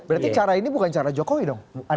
berarti cara ini bukan cara jokowi dong